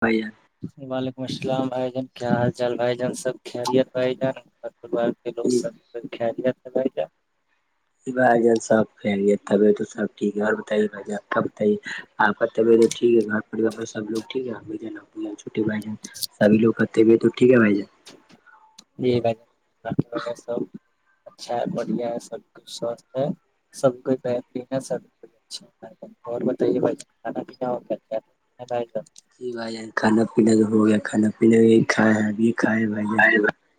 بھ ہے وعلیکم السلام بھائی جان کیا حال چال بھائی جان سب خلت بھائی جان لو جان سر خلیا بھائی کیا یہ گارجن سب پھیل ہے طبیعت سب ٹیک ہے اور کب آ ٹ ہے گار میں س لوگ ٹھیک چھوٹے بھ جن سبھی لوگ کرتے بھی تو ٹھیک ہے بھائی جن جی بھائی ویرہ سب اچھا ہے بڑھیا ہے سب کچھ سوستھ ہے سب کچھ بہترین ہے سب اچم اور بتائیے بھائی کھا پینا ہو کیا جی بھائی جان کھا پینا تو ہو گیا کھانا پیا بھی کھائے ابھی کھائے بھائی جان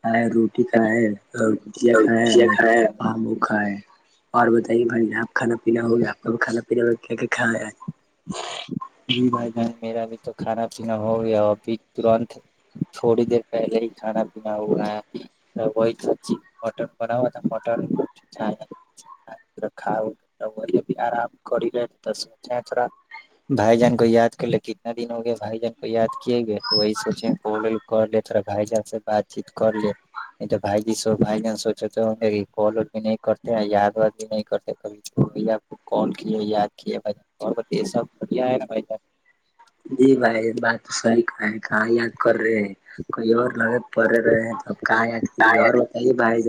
کھائے روٹی کھائےائے اور دیا کھائے ہے اور آو کھائے اور بتائیے بھائی ج آپ کھانا پینا ہو گے آپ بھی کانا پینا ہوگا کیا کیا کا جی بھائی جان میرا بھی تو کھانا پینا ہو گیا ابھی ترت تھوڑی دیر پہلے ہی کھانا پینا ہوا ہے وہ سچی مٹن بنا تھا مٹن ر اؤے بھی آرام کر لےس چچڑا بھائی جان کو یاد کر لے کتنے دن ہو گیا بھائی جن کو یاد کیے گئے تو وہی سوچیں کر لے تھڑا بھائی جان سے بات چیت کر لے ا تو بھائی جی سو بائی جان سوچے تھ کال بھی نہیں کرتے یاد واد بھی نہیں کرتے کبھی چ کال کیے یاد کی ب ب سب بڑھیا ہے جی بھائی بات تو صحی کہ ہے کہاں یاد کر رہے ہیں کوئی اور لگے پڑے رہے ہیں تو اب کہاں اورت ب ج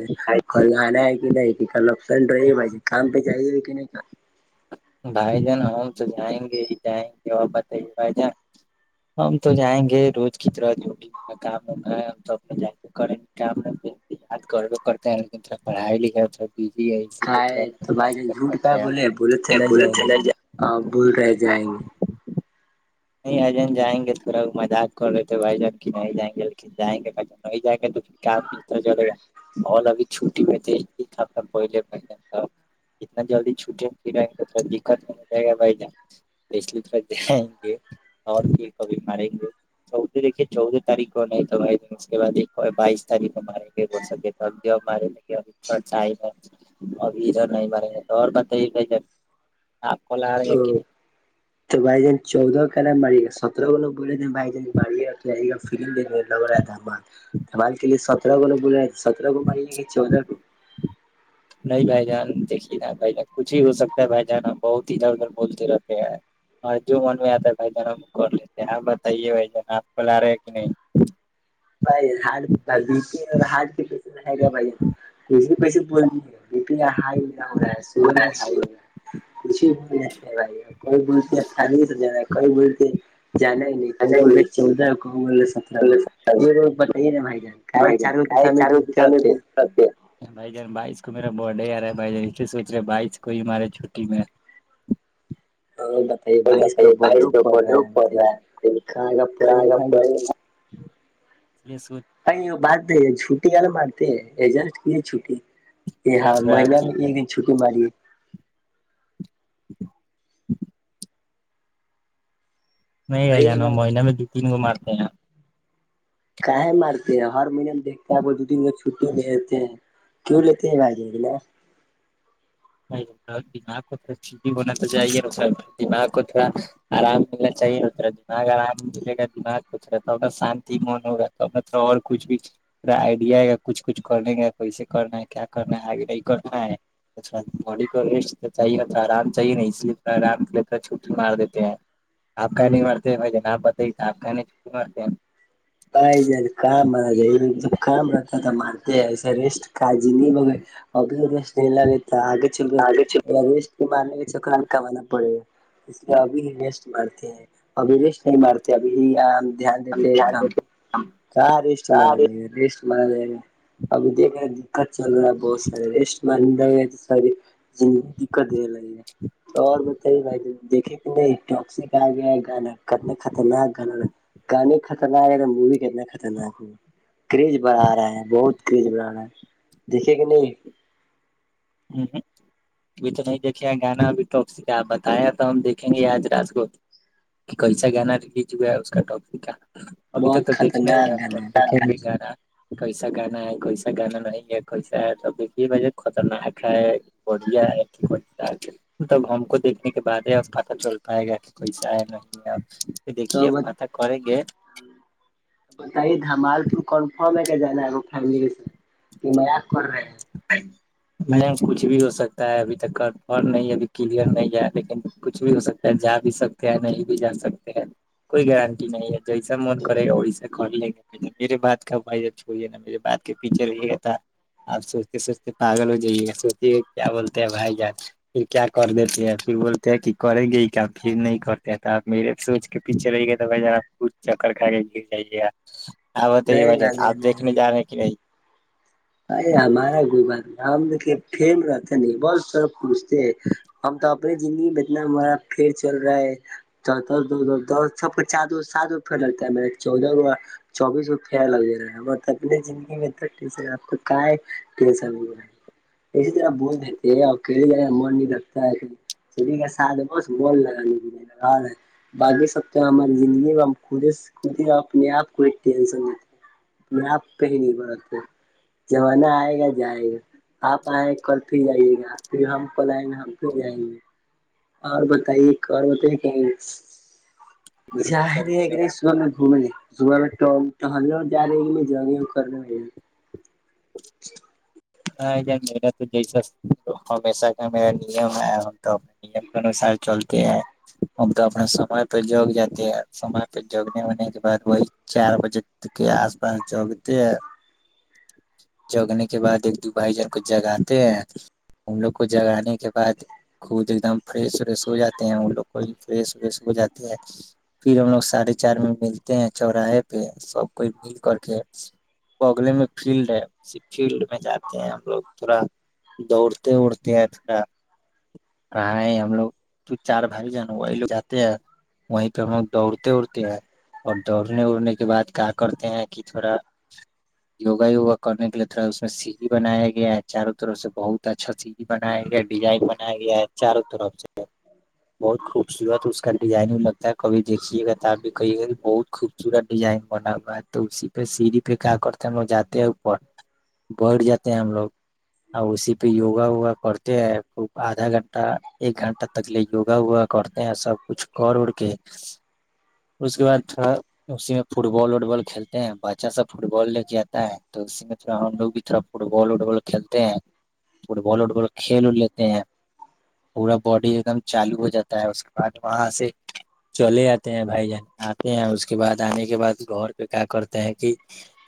گانا ہے کہ نہیں کہ کا نقصان ڈرائی گےے کام پہے ہی ہو ہے کہ نہیں کا بھائی جان ہم تو جائیں گے ہی جائیں گے اور بت بھائی جان ہم تو جائیں گے روز کی طرح جو کاما جائیں کرے کے کام ہے یاد کرو کرتے ہیں لیکن تھوڑا پڑھائی لکھائی کا جر ہے تو بھائی مڈ جان جھوٹ کا کر بولے بولے چنئی جائیں گے بول رہائے جائیں گے نہیں آ جان جائیں گے تھورا مذاق کر رہتے بھائی جان نہیں جائیں گے ل جائیں گے ب جب نہیں جائیں گے تو پھر کام اسس طرح چلے گا اور ابھی چھٹی میں دیک کھا کولے پہ تھا اتنا جلدی چھوٹیں پھریںے تو تھڑا دقت نہیں ہو جائے گا بھائی جان اس لی تھرکو اور بھی کبھی ماریں گے چود دیکھیے چودہ تاریخ کو نہیں تو بھائی اس کے بع بائیس تاریخ ہمارے ہو سک سبدیو ماری ل گ سر چائے ابھی ادھر نہیں مریں گے تو اور بات یہ آپ ک ہ [inaudible] تو بائی جان چودہ کا نا مڑی گا سترہ کووگ بولے تھے بھائی جڑ گ تو ل ال کمال کے لیے سترہ کو لو بول رہے تھے سترہ کو مالے گ چودہ کو نہیں بھائی جان دیکھیے نا بھائی جان کچھ ہی ہو سکتا ہے بھائی جان بہت ہی ادھر ادھر بولتے رہتے ہیں ہاں جو من میں آتا ہے بھائی جان ہم کر لیتے ہیں آ بتائیے بھائی جان آپ کو ل آ رہے ہیں کہ نہیں بھائی ہ ب اور ہارڈ کے پیسے رہ گا بھائی ک کے پیسے پورا نہیں رپیا ہائی ہو ہو رہا ہے سگر بھی ہائی ہو رہا ہے کچھھی بول بھائی کوئی بولتےانی سے جانا ہے کوئی بولتے جانا نہیں کو بول رہے چودہ کو بول رہے سترہ ر نہیں یہیر بتاائیے نا مائی جان گئی بھائی جان چارو دس گائے ہم میں چاروں گھومتے دشا میں رہتے گھوم بھائی جان بائیس کو میرا بر ڈے آ رہا ہے بھائی جان اسے سوچ رہے بائیس کو ہی مارے چھٹی میں اور بتائیے بھائی اس کو بائیس بڈو کو پڑ رہا بولو ہے پڑ بائی رہا ہے کہاں کا کہاں پڑے کا بھائی گا اس لیے سوچ پئی باد د چھوٹی اللہ ماتتیجس کی چوٹی یہ ہاں رہا مہی نے کہ ایک دن چھٹی ماری ہے نہیں ہے جانا مہیین میں دو تین گو مارتے ہیں کہیں مارتے ہارمونیم دیکتے ہے دو کا بھیتے ہیں کیوں لیتے ہیں بھائیی نا نہیں دماغ کو تھڑای بھی ہونا تو چاہیے دماغ کو تھوڑا آرام ملنا چاہیے اترا دماغ آرام ملے گا دماغ کھ رہتا ہوا شانتی من ہوگا اور کچھ بھی پا آئیڈیا ہے گا کچھ کچھ کرنے گ کیسے کرنا ہے کیا کرنا ہے آگے نہیں کرنا ہے ڑا باڈی کو ریسٹ تو چاہیے آرام چاہیے نہیں اس لیے تھوڑا آرام کے لیے تھ چھٹی مار دیتے ہیں آپ کہنے مرتے ہیں بھ آپ بت آپ کہنے چٹی مرتے ہیں آ کام آ گ جب کام رہتا تو مارتے ہیں ایسے ریسٹ کاج نہیں گئی اورب ریسٹ نہیں لگےتا آگے چل آگے ریس کے مارنے کے چکر میں کمانا پڑے گا اس لیے ابھی ہی ریسٹ مارتے ہیں ابھی ریسٹ نہیں مارتے ابھی ہم دھیان دیتے ہیں کم کہ ریسٹ مارا ابھی جائے گا ریسٹ مارا جائے گا اب دیک چل رہا بہت سار ریسٹ مار ساری دکھ تو اور بتائیے بھائی دیکھیں نہیں ٹکسک آ گیا ہے گانا کرنا خطرناک گانا گانے خطرناک ہے وہ بھی کہتنا خطرناک ہوا کریز بڑھا رہا ہے بہت کریز بڑا رہا ہے دیکھے کہ نہیں جوں اب تو نہیں دیکھے گانا اب ٹپس کاپ بتایا تو ہم دیکھیں گے آج را گوٹ کہ کیسا گانا ریلیز ہوا ہے اس کا ٹاپک کیا ابھی توک بہت تو دیکھنا خطرناک گانا ہے ار گانا کیسا گانا ہے کیسا گانا نہیں ہے کیسا ہے تو دیکھیے بھائی خطرناک ہے ہے بڑیا ہے بڑیا تب ہم کو دیکھنے کے بعد ہے اب پتاہ چل پائے گا کہ کوئیسا آئے گا نہیں تو دیکی پاتا کر گے بتائیے دمال پور کنفرم ہے کہ جانا ہے فیملی کے سھ کہ م کر رہے ہیں نہیں کچھ بھی ہو سکتا ہے ابھی تک ک نہیں ابھی کلیئر نہیں ہے لیکن کچھ بھی ہو سکتا ہے جا بھی سکتے ہیں نہیں بھی جا سکتے ہیں کوئی گارنٹی نہیں ہے جیسا من کرے گا وہیسا کر لے گا میرے بات کا بھائی جب چھوئیے نا میرے بات کے پیچھ رہ گ تھا آپ سوچ سوچتے پاگل ہو جائیے گ سوچیے کیا بولتے ہیں بھائی جان پھر کیا کر دیتے ہے پھر بولتے ہیں کہ کریں گے کیا پھر نہیں کرتے تو آپ میرے سوچ کے پیچھے رہیے تو بھائی جا آپ خود چکر کھا کے گر جائیے وہ توی نہیں وجہ آپ بھائی دیکھنے جا رہے ہیں کہ نہیں ا ہمارا کوئی بات ہم دیکھیے پم رہتے ن بہت طف پچتے ہیں ہم تو اپنی زندگی میں بتنا ہمارا پھر چل رہا ہے سب کو سات گ پتا چودہ گو چوبیس کو پ لگ دے رہا ہے اوربنی زندگی میں تو کا کہ سر ہے اسی طرح بول دیتے ہیں اور کھیل جانےا من نہیں لگتا ہے سری کے ساتھ بس مول لگاے لگا باقی سبتے ہماری زندگی میں ہم اپنے آپ کو ایک ٹینشن میں آپ پہ ہی نہیں بناتے جمانہ آئے گا جائے گا آپ آئے کل پھر آئیے گا پھر ہم کل آئیں گے ہم پھر جائیں گے اور بتائیے اور بتائیے کہیں بالکل جا صحیح ہے کہ بولے گا نہیں صبح میں گھومنے رہ جگے کرنا [inaudible] جیھ ہاں میرا تو جیسا ہمیشہ کا میرا نیم ہے تو اپنے نیم کے انوسار چلتے ہیں ا تو اپنے سمے پہ جگ جاتے ہیں سمے پہ جگنے ہونے کے بع وہی چار بجے کے آس پاس جگتے ہیں جگنے کے بعد ایک دو بھائی جن کو جگاتے ہیں ان لوگ کو جگانے کے بعد خود ایک دم فریش وریش ہو جاتے ہیں ان لوگ کو بھی فریش وریش ہو جاتے ہیں پھر ہم لوگ ساھے چار میں ملتے ہیں چوراہے پہ سب کوئی مل کر کے بگلے میں فیلڈ ہے فیلڈ میں جاتے ہیں ہم لوگ تھوڑا دوڑتے اڑتے ہیں تھوڑا رہاں ہم لوگ تو چار بھائی جان وہی لوگ جاتے ہیں وہیں پہ ہم لوگ دوڑتے اڑتے ہیں اور دوڑنے اڑنے کے بعد کیا کرتے ہیں کہ تھوڑا وگا یوگا کرنے کے لیے تھوڑا اس میں سیھی بنایا گیا ہے چاروں طرف سے بہت اچھا سی بنا گیا ڈیزائن بناائی گیا چاروں طرف سے بہت خوبصورت اس کا ڈیزائنگ لگتا ہے کبھی دیکھیے گاب بھی کہیے گا بہت خوب ورا ڈیزائن بنا ہوا ہے تو اسی پہ سیڑھی پہ کیا کرتے ہیں ہم لوگ جاتے ہیں اوپر بٹھ جاتے ہیں ہم لوگ اور اسی پہ یوگا ووگا کرتے ہیں خب آدھا گھنٹہ ایک گھنٹہ ب تک لے وگا ووگا کرتے ہیں سب کچھ کر اڑ کے اس کے بعد تھوڑا اسی میں فٹ بال وٹ بال کھیلتے ہیں بچا سب فٹ بال جاتا ہے تو اسی میں تھوڑا ہم لوگ بھی تھوڑا فٹ بال وٹ بال کھیلتے ہیں فٹ بال وٹ بال کھیل لیتے ہیں پورا باڈی ایک دم چالو ہو جاتا ہوتا ہے اس کے بعد وہاں سے چلے آتے ہیں بھائی جان آتے ہیں اس کے بعد آنے کے بعد گھر پہ کیا کرتے ہیں کہ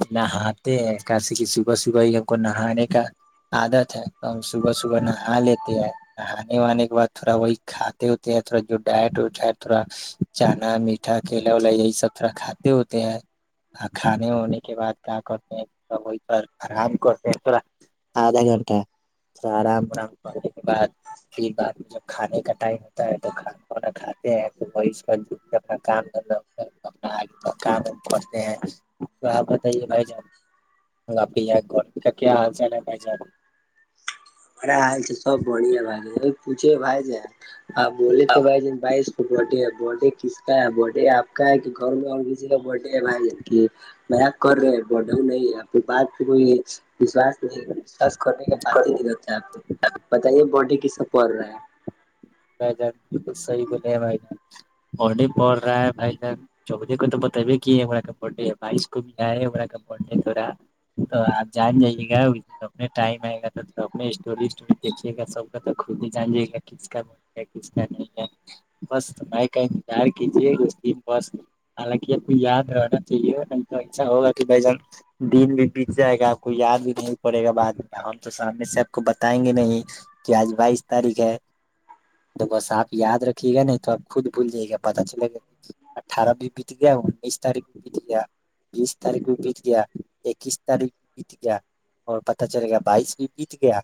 اپ میں ہات کاسے کہ صبح صبح ہی ہم کو نہانے کا عادت ہے تو ہم صبح صبح نہا لیتے ہیں آانے وانے کے بد تھوڑا وہی کھاتے ہوتے تھوڑا جو ڈائٹ وائ تھوڑا چنا میٹھا کیلا ولا یہی سب تھوڑا کھاتے ہوتے ہیں کھانے ہونے کے بعد کیا کرتے وہ پر آرام کرتے ہیں تھوڑا آدھا گھنٹہ آرام ورام کرنے کے بعد پھر بعد جب کھانے کا ٹائم ہوتا ہے تو کھانا خات ہیں کام کرنا اپنا آگے کام پنچتے ہیں تو آپ بھ جاپ کا کیا چل ہے بائی جاؤ بڑا حال سب بڑھیا ب گ پوچھے بھائی ہاں بولے تو بھائی بائی کو بوٹے بٹے کس بھ ڈے آپ کا ہے کہ گھر میں اور کسی کا بر ڈے ہے بھائی کی مپ کر رہے ب ڈا نہیں آنی بات پ کوئیشاس نہیں اس کرنے کے بات ہی نہیں ہوتا ہے آپ کو بتائیے باڈی کسے پڑ رہا ہے بھائی جان بالکل صحیح بولے ہیں بھائی جان بڈی پڑ رہا ہے بھائی جان چودہے کو تو بتبئے کی ہےا کا ب ڈے بائیس کو بھی آ ہےا کا بر ڈے تھڑا تو آپ جان جائیے گا اس اپنے ٹائم آئے گا تو اپ اسٹوری اسٹوری دیکھیے گا سب کا تو خود ہی جانجے گا کس کا بس میںار کیجیے بس حالانکہ آپ کو یاد رہنا چاہیے نہیں تو اچھا ہوگا کہ بھائی جان دن بھی بیت جائے گا آپ کو یاد بھی نہیں پڑے گا بعد میں ہم تو سامنے سے آپ کو بتائیں گے نہیں کہ آج بائیس تاریخ ہے تو بس آپ یاد رکے گا نہیں تو آپ خود بھول جائیے گا پتتا چلے گا اٹھارہمی بیت گیا انیس تاریخ بیت گیا بیس تاریخ کو بیت گیا اکیس تاریخ بیت گیا اور پتتا چلے گیا بائیس بھی بیت گیا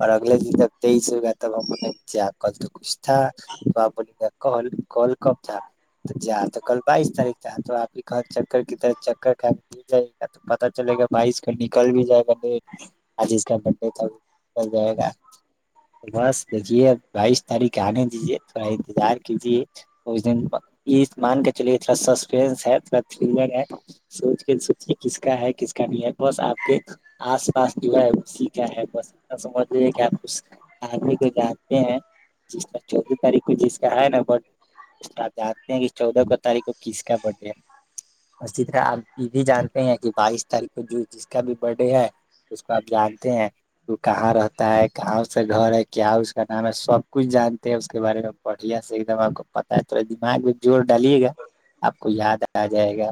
اور اگلے دن جب تیئیس ہو گیا تب ہم انہ نے بیچے کل تو کچھ تھا تو آپ گ ک ک کب تھا جا تو کل بائیس تاریخ تھا تو آپ نے کہا چکر کی طرح چکر کا بھی جائے گا تو پتا چلے گا بائیس کا ن کل بھی جائے گا ڈٹ آج اس کا بت ڈے ک جائے گا بس دیکھیے بائیس تاریخ آنے دیجیے تھوڑا انتظار کیجیے اس دن مان کے چلیے تھوڑا سسپینس ہے تھوڑا تھریلر ہے سوچ کے سوچے کس کا ہے کس کا نہیں ہے بس آپ کے آس پاس جو ہے وہ سیھا ہے بس انا سمجھ رہ کہ آپ آدمی کو ج جس کا چودہ تاریخ کو جس کا ہے نا ب ڈ اس کا آپ جانتے ہیں کہ چودہ کو تاریخ کو کس کا برتھ ڈے ہے اسی طرح آپ یہ بھی جانتے ہیں کہ بائیس تاریخ کو جو جس کا بھی برت ڈے ہے اس کو آپ جانتے ہیں تو کہاں رہتا ہے کہاں سے گھر ہے کیا اس نام ہے سب کچھ جانتے ہیں اس کے بارے میں بڑھیا سے ایک دم آپ کو پتا ہے تھا دماغ میں زور ڈالے گا آپ کو یاد آ جائے گا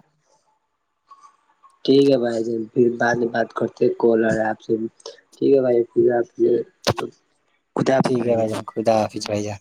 ٹھیک ہے بھائی جھر بات ہی بات کرتے کال اور آپ سے ٹھیک ہے بھائی پز آپے خدا آپس بھائیجے خدافظ بھائی جا